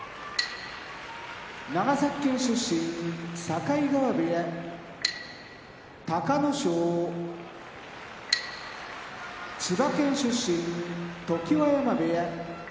長崎県出身境川部屋隆の勝千葉県出身常盤山部屋